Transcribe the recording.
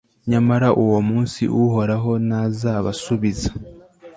nyamara uwo munsi uhoraho ntazabasubiza